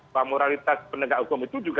bahwa moralitas penegak hukum itu